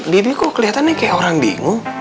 bibi kok keliatan nih kayak orang bingung